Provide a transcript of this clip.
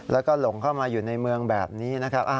แล้วก็หลงเข้ามาอยู่ในเมืองแบบนี้นะครับ